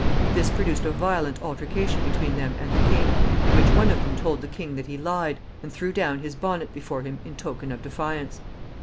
This produced a violent altercation between them and the king, in which one of them told the king that he lied, and threw down his bonnet before him in token of defiance.